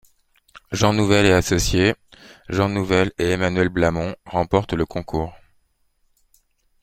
Jean Nouvel et associés, Jean Nouvel et Emmanuel Blamont, remportent le concours.